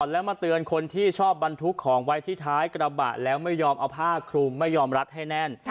แล้วมาเตือนคนที่ชอบบรรทุกของไว้ที่ท้ายกระบะแล้วไม่ยอมเอาผ้าคลุมไม่ยอมรัดให้แน่น